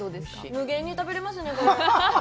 無限に食べられますね、これ。